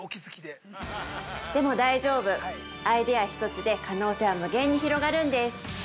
でも大丈夫、アイデア一つで可能性は無限に広がるんです。